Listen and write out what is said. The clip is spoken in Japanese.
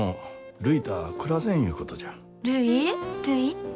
るい！